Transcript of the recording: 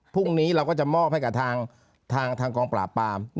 พรุ่งนี้เราก็จะมอบให้กับทางกองปราบปราม